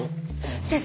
先生